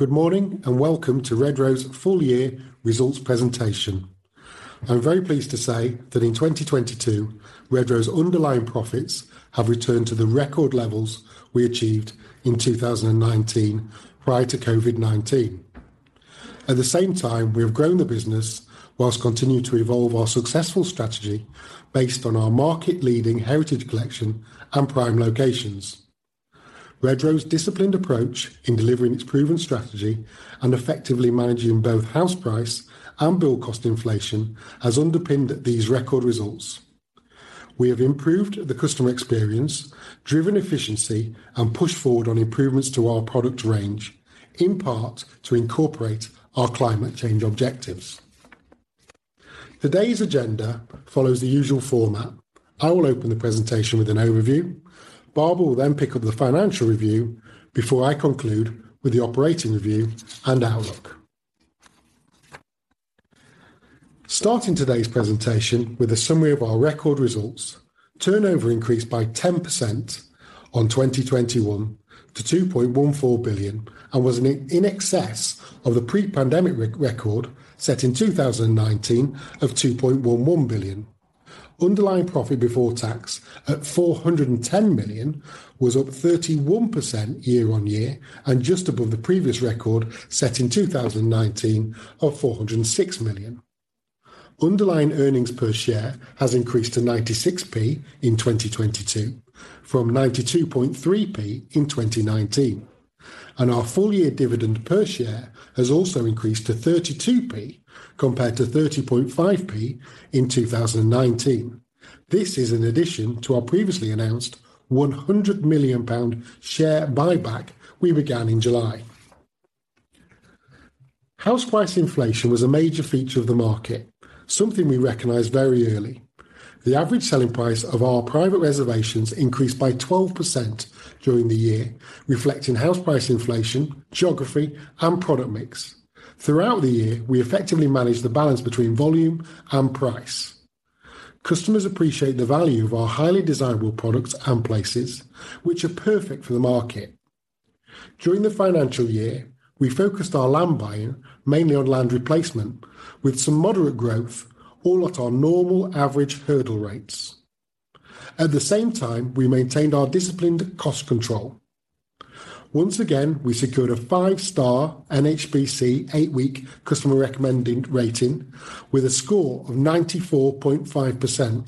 Good morning, and welcome to Redrow's Full Year Results Presentation. I'm very pleased to say that in 2022, Redrow's underlying profits have returned to the record levels we achieved in 2019 prior to COVID-19. At the same time, we have grown the business whilst continuing to evolve our successful strategy based on our market leading Heritage Collection and prime locations. Redrow's disciplined approach in delivering its proven strategy and effectively managing both house price and build cost inflation has underpinned these record results. We have improved the customer experience, driven efficiency, and pushed forward on improvements to our product range, in part to incorporate our climate change objectives. Today's agenda follows the usual format. I will open the presentation with an overview. Barbara will then pick up the financial review before I conclude with the operating review and outlook. Starting today's presentation with a summary of our record results, turnover increased by 10% on 2021 to 2.14 billion and was in excess of the pre-pandemic record set in 2019 of 2.11 billion. Underlying profit before tax at 410 million was up 31% year-on-year and just above the previous record set in 2019 of 406 million. Underlying earnings per share has increased to 0.96 in 2022 from 0.923 in 2019. Our full year dividend per share has also increased to 0.32 compared to 0.305 in 2019. This is in addition to our previously announced 100 million pound share buyback we began in July. House price inflation was a major feature of the market, something we recognized very early. The average selling price of our private reservations increased by 12% during the year, reflecting house price inflation, geography, and product mix. Throughout the year, we effectively managed the balance between volume and price. Customers appreciate the value of our highly desirable products and places which are perfect for the market. During the financial year, we focused our land buying mainly on land replacement with some moderate growth all at our normal average hurdle rates. At the same time, we maintained our disciplined cost control. Once again, we secured a five-star NHBC eight-week customer recommending rating with a score of 94.5%.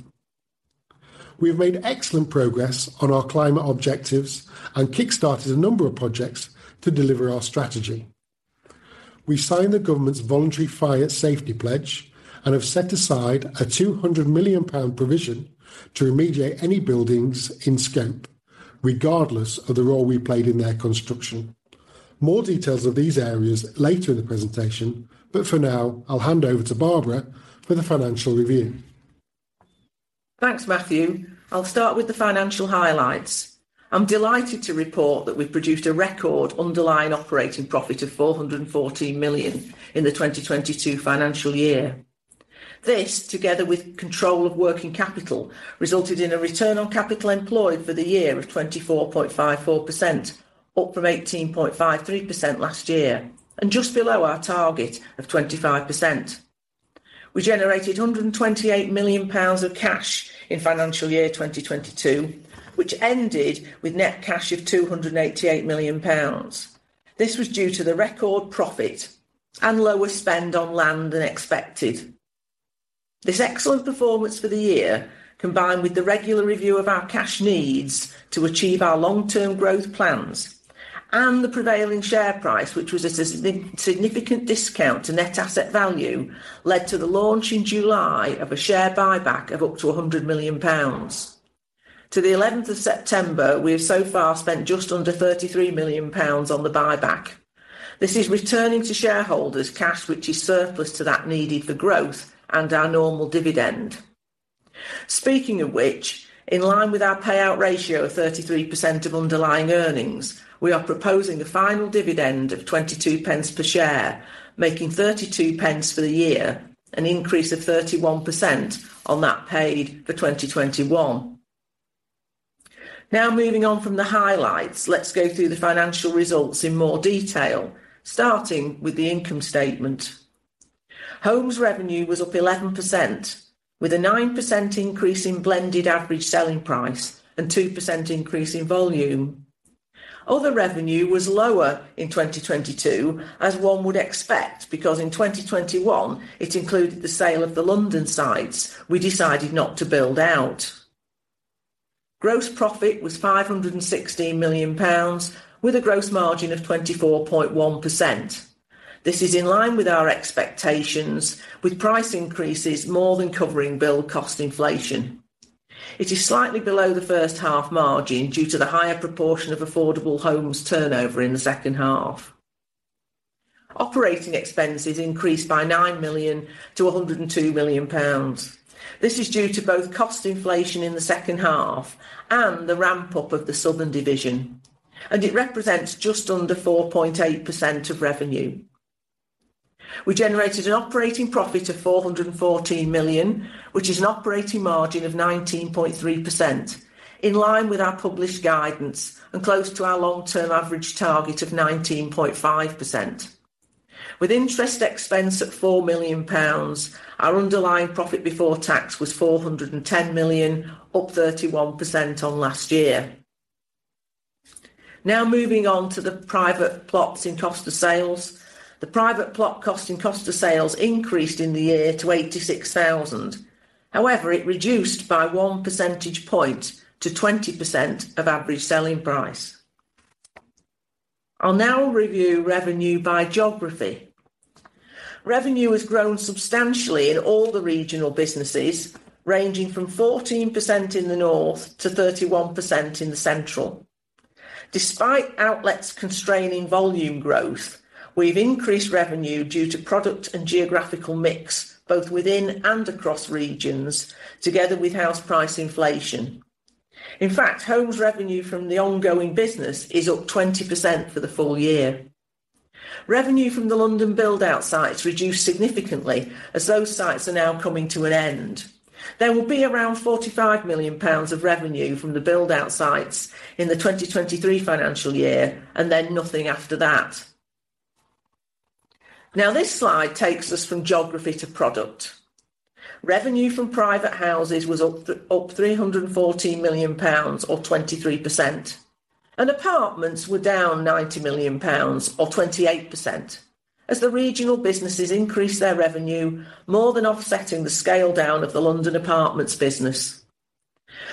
We have made excellent progress on our climate objectives and kickstarted a number of projects to deliver our strategy. We signed the government's voluntary building safety pledge and have set aside 200 million pound provision to remediate any buildings in scope, regardless of the role we played in their construction. More details of these areas later in the presentation, but for now, I'll hand over to Barbara for the financial review. Thanks, Matthew. I'll start with the financial highlights. I'm delighted to report that we've produced a record underlying operating profit of 414 million in the 2022 financial year. This, together with control of working capital, resulted in a return on capital employed for the year of 24.54%, up from 18.53% last year and just below our target of 25%. We generated GBP 128 million of cash in financial year 2022, which ended with net cash of 288 million pounds. This was due to the record profit and lower spend on land than expected. This excellent performance for the year, combined with the regular review of our cash needs to achieve our long-term growth plans and the prevailing share price, which was at a significant discount to net asset value, led to the launch in July of a share buyback of up to 100 million pounds. To the 11th of September, we have so far spent just under 33 million pounds on the buyback. This is returning to shareholders cash which is surplus to that needed for growth and our normal dividend. Speaking of which, in line with our payout ratio of 33% of underlying earnings, we are proposing a final dividend of 0.22 per share, making 0.32 for the year, an increase of 31% on that paid for 2021. Now moving on from the highlights, let's go through the financial results in more detail, starting with the income statement. Homes revenue was up 11% with a 9% increase in blended average selling price and 2% increase in volume. Other revenue was lower in 2022, as one would expect, because in 2021, it included the sale of the London sites we decided not to build out. Gross profit was 516 million pounds with a gross margin of 24.1%. This is in line with our expectations with price increases more than covering build cost inflation. It is slightly below the first half margin due to the higher proportion of affordable homes turnover in the second half. Operating expenses increased by 9 million to 102 million pounds. This is due to both cost inflation in the second half and the ramp-up of the Southern division, and it represents just under 4.8% of revenue. We generated an operating profit of 414 million, which is an operating margin of 19.3%, in line with our published guidance and close to our long term average target of 19.5%. With interest expense at 4 million pounds, our underlying profit before tax was 410 million, up 31% on last year. Now moving on to the private plots in cost of sales. The private plot cost and cost of sales increased in the year to 86,000. However, it reduced by one percentage point to 20% of average selling price. I'll now review revenue by geography. Revenue has grown substantially in all the regional businesses, ranging from 14% in the north to 31% in the central. Despite outlets constraining volume growth, we've increased revenue due to product and geographical mix, both within and across regions, together with house price inflation. In fact, homes revenue from the ongoing business is up 20% for the full year. Revenue from the London build out sites reduced significantly as those sites are now coming to an end. There will be around 45 million pounds of revenue from the build out sites in the 2023 financial year, and then nothing after that. Now, this slide takes us from geography to product. Revenue from private houses was up 314 million pounds, or 23%. Apartments were down 90 million pounds or 28% as the regional businesses increased their revenue more than offsetting the scale down of the London apartments business.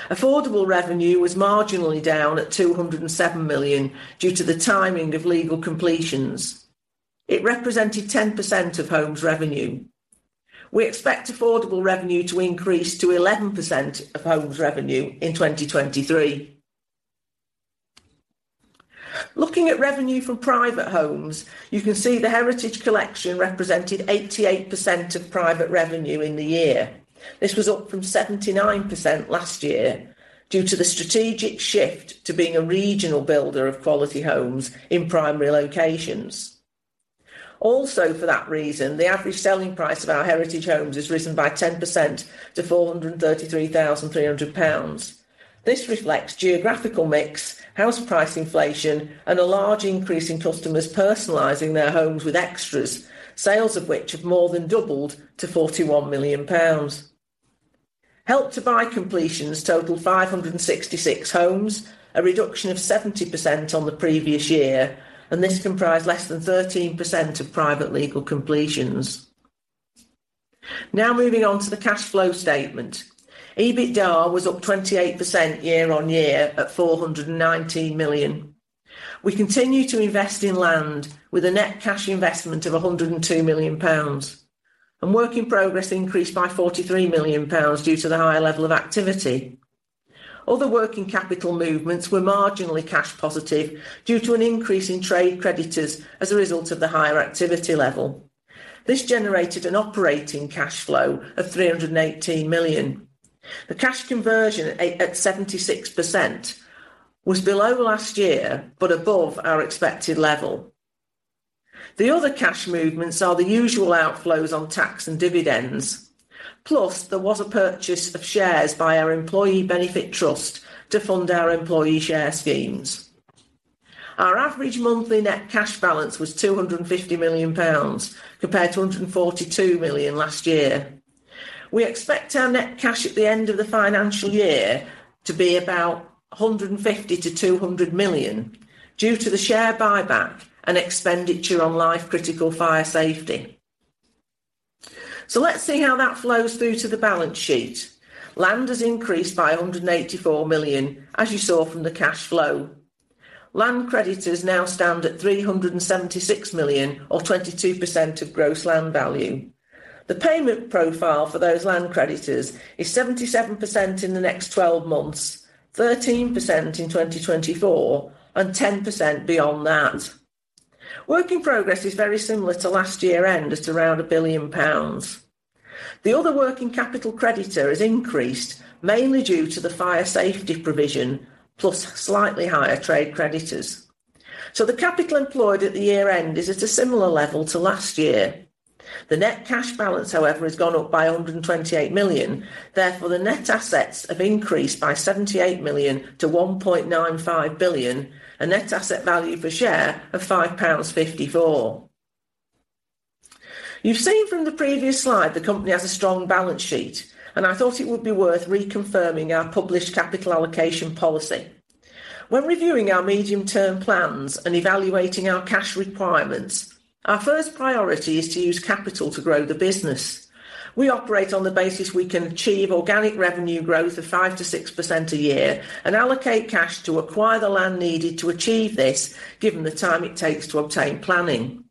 Affordable revenue was marginally down at 207 million due to the timing of legal completions. It represented 10% of homes revenue. We expect affordable revenue to increase to 11% of homes revenue in 2023. Looking at revenue from private homes, you can see the Heritage Collection represented 88% of private revenue in the year. This was up from 79% last year due to the strategic shift to being a regional builder of quality homes in primary locations. Also, for that reason, the average selling price of our Heritage homes has risen by 10% to 433,300 pounds. This reflects geographical mix, house price inflation and a large increase in customers personalizing their homes with extras, sales of which have more than doubled to 41 million pounds. Help to Buy completions totaled 566 homes, a reduction of 70% on the previous year. This comprised less than 13% of private legal completions. Now moving on to the cash flow statement. EBITDA was up 28% year-on-year at 419 million. We continue to invest in land with a net cash investment of 102 million pounds. Work in progress increased by 43 million pounds due to the higher level of activity. Other working capital movements were marginally cash positive due to an increase in trade creditors as a result of the higher activity level. This generated an operating cash flow of 318 million. The cash conversion at 76% was below last year, but above our expected level. The other cash movements are the usual outflows on tax and dividends. Plus, there was a purchase of shares by our employee benefit trust to fund our employee share schemes. Our average monthly net cash balance was 250 million pounds, compared to 142 million last year. We expect our net cash at the end of the financial year to be about 150 million-200 million due to the share buyback and expenditure on life critical fire safety. Let's see how that flows through to the balance sheet. Land has increased by 184 million, as you saw from the cash flow. Land creditors now stand at 376 million or 22% of gross land value. The payment profile for those land creditors is 77% in the next 12 months, 13% in 2024, and 10% beyond that. Work in progress is very similar to last year end at around 1 billion pounds. The other working capital creditor has increased mainly due to the fire safety provision, plus slightly higher trade creditors. The capital employed at the year end is at a similar level to last year. The net cash balance, however, has gone up by 128 million. Therefore, the net assets have increased by 78 million to 1.95 billion, a net asset value per share of 5.54 pounds. You've seen from the previous slide the company has a strong balance sheet, and I thought it would be worth reconfirming our published capital allocation policy. When reviewing our medium term plans and evaluating our cash requirements, our first priority is to use capital to grow the business. We operate on the basis we can achieve organic revenue growth of 5%-6% a year and allocate cash to acquire the land needed to achieve this, given the time it takes to obtain planning.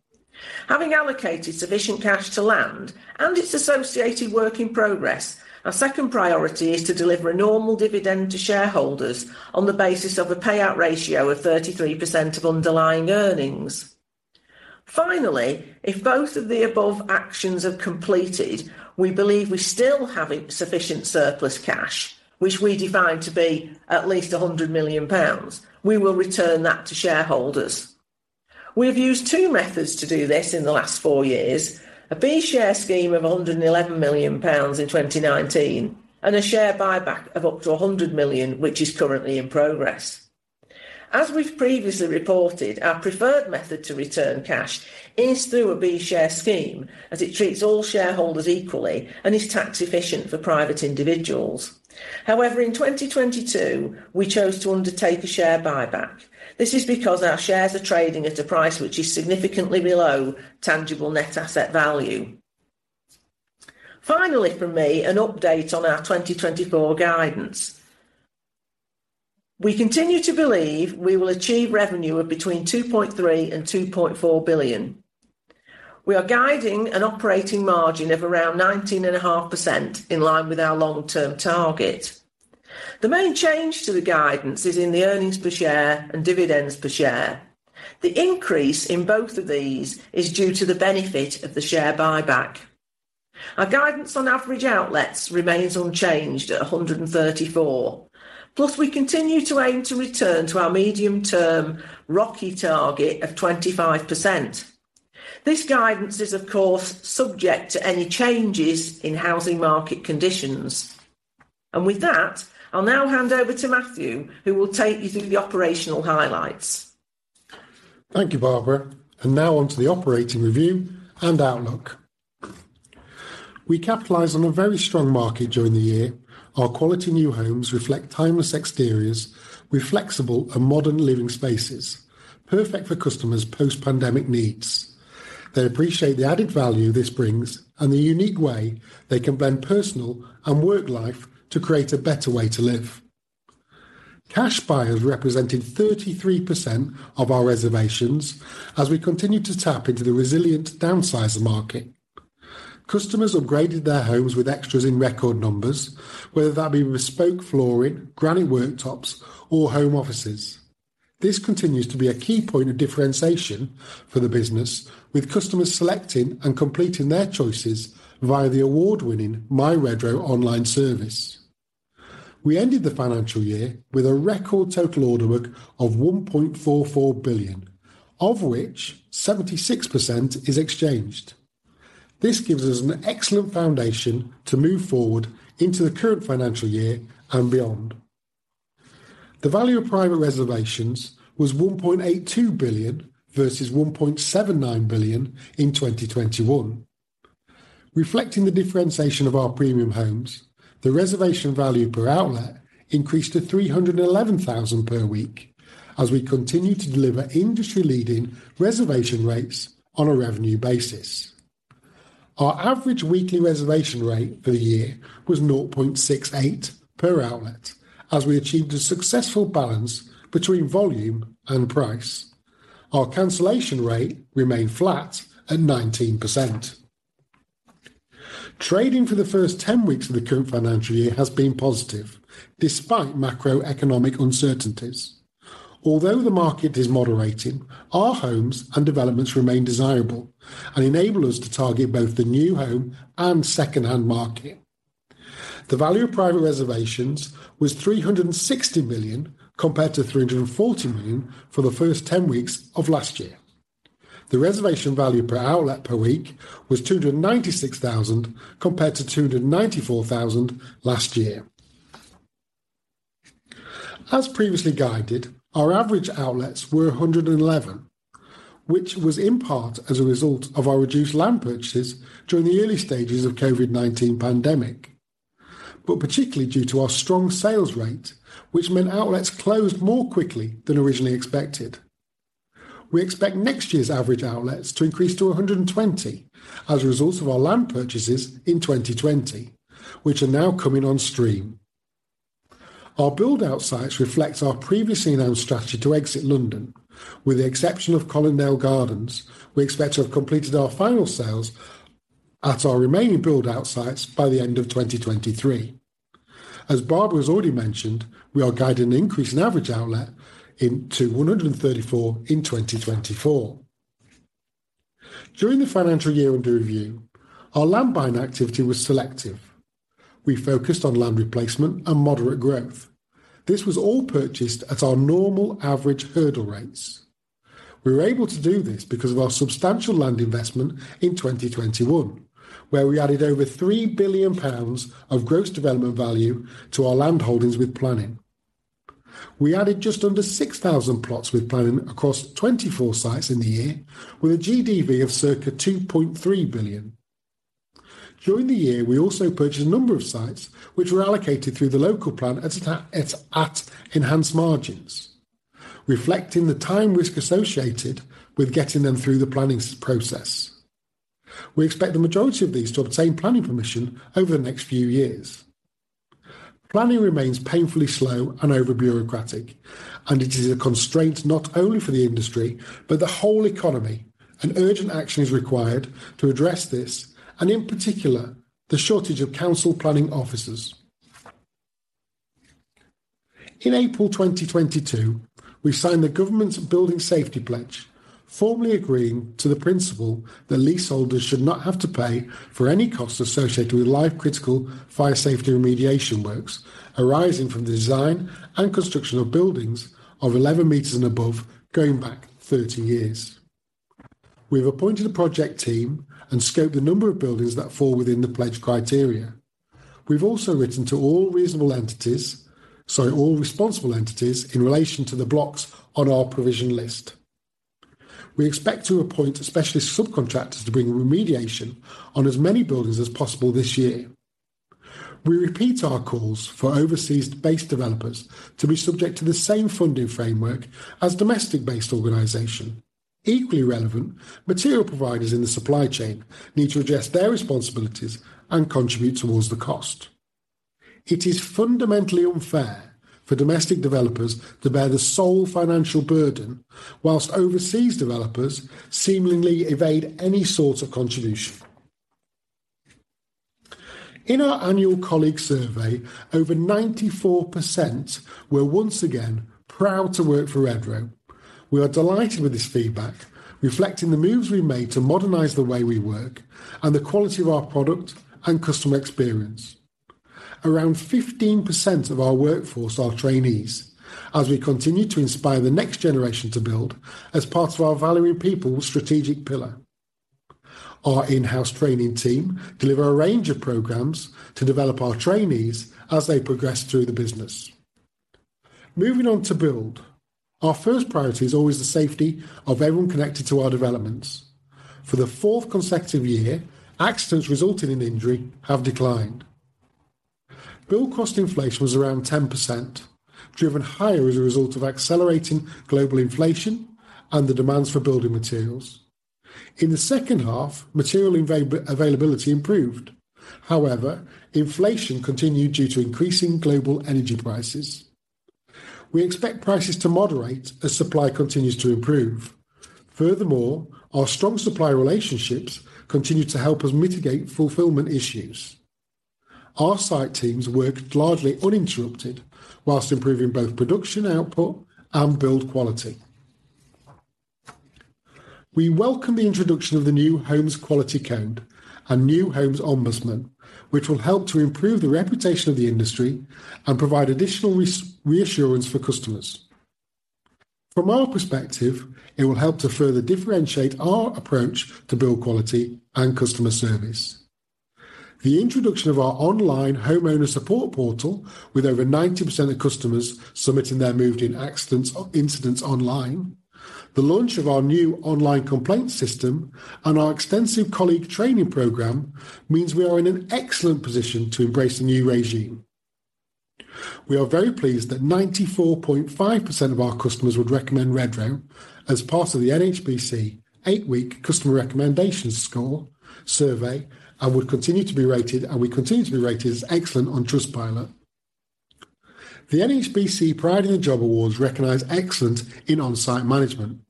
Having allocated sufficient cash to land and its associated work in progress, our second priority is to deliver a normal dividend to shareholders on the basis of a payout ratio of 33% of underlying earnings. Finally, if both of the above actions have completed, we believe we still have sufficient surplus cash, which we define to be at least 100 million pounds. We will return that to shareholders. We have used two methods to do this in the last four years. B Share Scheme of 111 million pounds in 2019 and a share buyback of up to 100 million, which is currently in progress. As we've previously reported, our preferred method to return cash is through a B Share Scheme, as it treats all shareholders equally and is tax efficient for private individuals. However, in 2022 we chose to undertake a share buyback. This is because our shares are trading at a price which is significantly below tangible net asset value. Finally from me, an update on our 2024 guidance. We continue to believe we will achieve revenue of between 2.3 billion and 2.4 billion. We are guiding an operating margin of around 19.5% in line with our long term target. The main change to the guidance is in the earnings per share and dividends per share. The increase in both of these is due to the benefit of the share buyback. Our guidance on average outlets remains unchanged at 134. Plus, we continue to aim to return to our medium term ROCE target of 25%. This guidance is of course subject to any changes in housing market conditions. With that, I'll now hand over to Matthew, who will take you through the operational highlights. Thank you, Barbara, and now on to the operating review and outlook. We capitalized on a very strong market during the year. Our quality new homes reflect timeless exteriors with flexible and modern living spaces, perfect for customers post pandemic needs. They appreciate the added value this brings and the unique way they can blend personal and work life to create a better way to live. Cash buyers represented 33% of our reservations as we continue to tap into the resilient downsizer market. Customers upgraded their homes with extras in record numbers, whether that be bespoke flooring, granite worktops or home offices. This continues to be a key point of differentiation for the business, with customers selecting and completing their choices via the award winning My Redrow online service. We ended the financial year with a record total order book of 1.44 billion, of which 76% is exchanged. This gives us an excellent foundation to move forward into the current financial year and beyond. The value of private reservations was 1.82 billion versus 1.79 billion in 2021. Reflecting the differentiation of our premium homes, the reservation value per outlet increased to 311,000 per week as we continue to deliver industry leading reservation rates on a revenue basis. Our average weekly reservation rate for the year was 0.68 per outlet as we achieved a successful balance between volume and price. Our cancellation rate remained flat at 19%. Trading for the first 10 weeks of the current financial year has been positive despite macroeconomic uncertainties. Although the market is moderating, our homes and developments remain desirable and enable us to target both the new home and second hand market. The value of private reservations was 360 million compared to 340 million for the first 10 weeks of last year. The reservation value per outlet per week was 296,000 compared to 294,000 last year. As previously guided, our average outlets were 111, which was in part as a result of our reduced land purchases during the early stages of COVID-19 pandemic, but particularly due to our strong sales rate, which meant outlets closed more quickly than originally expected. We expect next year's average outlets to increase to 120 as a result of our land purchases in 2020, which are now coming on stream. Our buildout sites reflect our previously announced strategy to exit London. With the exception of Colindale Gardens, we expect to have completed our final sales at our remaining buildout sites by the end of 2023. As Barbara has already mentioned, we are guiding an increase in average outlet in to 134 in 2024. During the financial year under review our land buying activity was selective. We focused on land replacement and moderate growth. This was all purchased at our normal average hurdle rates. We were able to do this because of our substantial land investment in 2021, where we added over 3 billion pounds of gross development value to our land holdings with planning. We added just under 6,000 plots with planning across 24 sites in the year with a GDV of circa 2.3 billion. During the year, we also purchased a number of sites which were allocated through the local plan at enhanced margins, reflecting the time risk associated with getting them through the planning process. We expect the majority of these to obtain planning permission over the next few years. Planning remains painfully slow and overly bureaucratic, and it is a constraint not only for the industry, but the whole economy, and urgent action is required to address this and in particular, the shortage of council planning officers. In April 2022, we signed the government's building safety pledge, formally agreeing to the principle that leaseholders should not have to pay for any costs associated with life critical fire safety remediation works arising from the design and construction of buildings of 11 meters and above going back 30 years. We have appointed a project team and scoped the number of buildings that fall within the pledge criteria. We've also written to all responsible entities in relation to the blocks on our provision list. We expect to appoint a specialist subcontractor to bring remediation on as many buildings as possible this year. We repeat our calls for overseas-based developers to be subject to the same funding framework as domestic-based organization. Equally relevant, material providers in the supply chain need to address their responsibilities and contribute towards the cost. It is fundamentally unfair for domestic developers to bear the sole financial burden while overseas developers seemingly evade any sort of contribution. In our annual colleague survey, over 94% were once again proud to work for Redrow. We are delighted with this feedback, reflecting the moves we made to modernize the way we work and the quality of our product and customer experience. Around 15% of our workforce are trainees, as we continue to inspire the next generation to build as part of our Valuing People strategic pillar. Our in-house training team deliver a range of programs to develop our trainees as they progress through the business. Moving on to build. Our first priority is always the safety of everyone connected to our developments. For the fourth consecutive year, accidents resulting in injury have declined. Build cost inflation was around 10%, driven higher as a result of accelerating global inflation and the demands for building materials. In the second half, material availability improved. However, inflation continued due to increasing global energy prices. We expect prices to moderate as supply continues to improve. Furthermore, our strong supplier relationships continue to help us mitigate fulfillment issues. Our site teams worked largely uninterrupted while improving both production output and build quality. We welcome the introduction of the New Homes Quality Code and New Homes Ombudsman, which will help to improve the reputation of the industry and provide additional reassurance for customers. From our perspective, it will help to further differentiate our approach to build quality and customer service. The introduction of our online homeowner support portal with over 90% of customers submitting their move-in incidents online, the launch of our new online complaint system and our extensive colleague training program means we are in an excellent position to embrace the new regime. We are very pleased that 94.5% of our customers would recommend Redrow as part of the NHBC eight-week customer recommendation score survey, and we continue to be rated as excellent on Trustpilot. The NHBC Pride in the Job Awards recognize excellence in on-site management.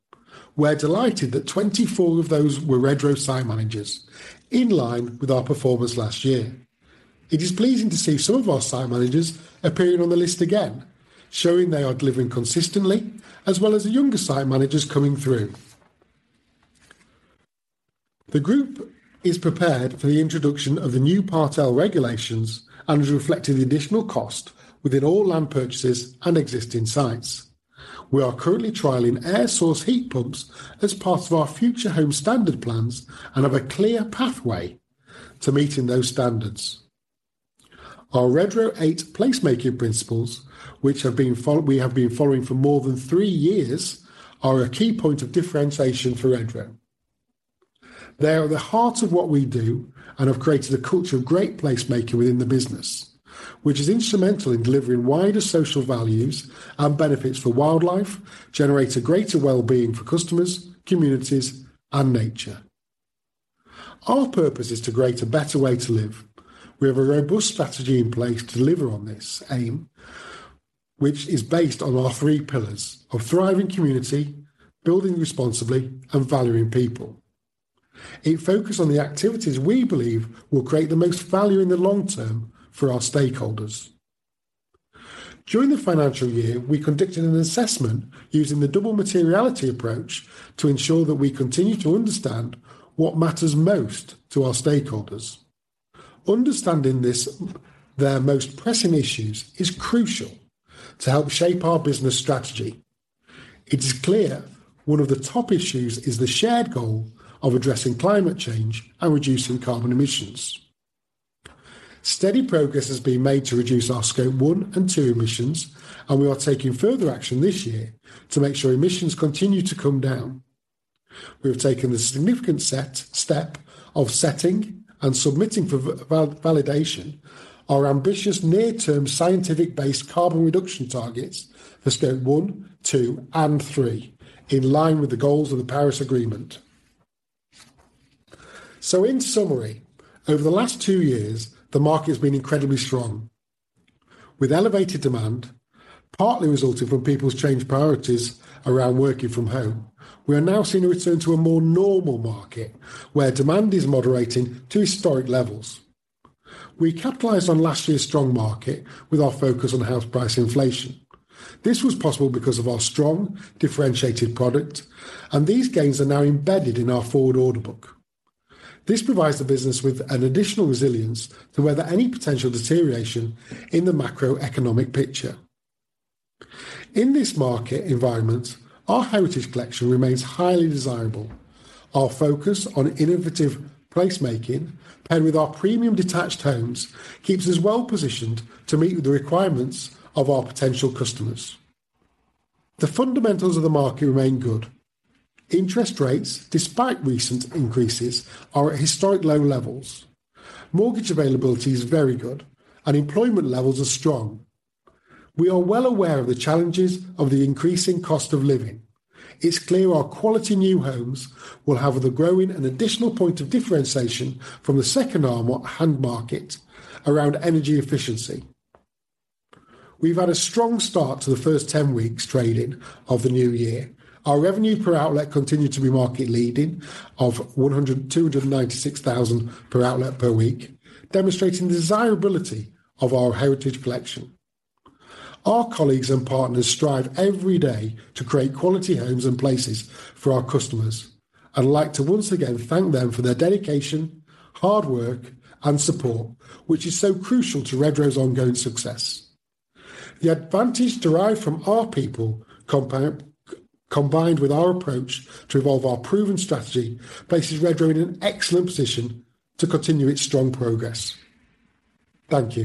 We're delighted that 24 of those were Redrow site managers, in line with our performance last year. It is pleasing to see some of our site managers appearing on the list again, showing they are delivering consistently as well as the younger site managers coming through. The group is prepared for the introduction of the new Part L regulations and has reflected the additional cost within all land purchases and existing sites. We are currently trialing air source heat pumps as part of our Future Homes Standard plans and have a clear pathway to meeting those standards. Our Redrow 8 placemaking principles, which we have been following for more than three years, are a key point of differentiation for Redrow. They are the heart of what we do and have created a culture of great placemaking within the business, which is instrumental in delivering wider social values and benefits for wildlife, generates a greater well-being for customers, communities and nature. Our purpose is to create a better way to live. We have a robust strategy in place to deliver on this aim, which is based on our three pillars of thriving community, building responsibly, and valuing people. A focus on the activities we believe will create the most value in the long term for our stakeholders. During the financial year, we conducted an assessment using the double materiality approach to ensure that we continue to understand what matters most to our stakeholders. Understanding this, their most pressing issues is crucial to help shape our business strategy. It is clear one of the top issues is the shared goal of addressing climate change and reducing carbon emissions. Steady progress has been made to reduce our Scope 1 and 2 emissions, and we are taking further action this year to make sure emissions continue to come down. We have taken the significant step of setting and submitting for validation our ambitious near-term scientific-based carbon reduction targets for Scope 1, 2 and 3 in line with the goals of the Paris Agreement. In summary, over the last two years, the market has been incredibly strong. With elevated demand, partly resulting from people's changed priorities around working from home, we are now seeing a return to a more normal market where demand is moderating to historic levels. We capitalized on last year's strong market with our focus on house price inflation. This was possible because of our strong differentiated product, and these gains are now embedded in our forward order book. This provides the business with an additional resilience to weather any potential deterioration in the macroeconomic picture. In this market environment, our Heritage Collection remains highly desirable. Our focus on innovative placemaking, and with our premium detached homes, keeps us well-positioned to meet the requirements of our potential customers. The fundamentals of the market remain good. Interest rates, despite recent increases, are at historic low levels. Mortgage availability is very good, and employment levels are strong. We are well aware of the challenges of the increasing cost of living. It's clear our quality new homes will have the growing and additional point of differentiation from the second-hand market around energy efficiency. We've had a strong start to the first 10 weeks trading of the new year. Our revenue per outlet continued to be market leading of 126,000 per outlet per week, demonstrating the desirability of our Heritage Collection. Our colleagues and partners strive every day to create quality homes and places for our customers. I'd like to once again thank them for their dedication, hard work and support, which is so crucial to Redrow's ongoing success. The advantage derived from our people combined with our approach to evolve our proven strategy places Redrow in an excellent position to continue its strong progress. Thank you.